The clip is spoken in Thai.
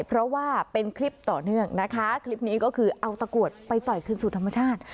เพราะว่าเป็นคลิปต่อเนื่องนะคะคลิปนี้ก็คือเอาตะกรวดไปปล่อยคืนสู่ธรรมชาติ